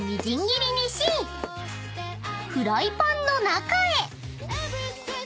［フライパンの中へ］